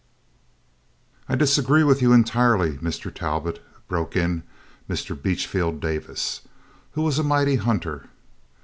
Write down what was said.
"I disagree with you entirely, Mr. Talbot," broke in Mr. Beachfield Davis, who was a mighty hunter.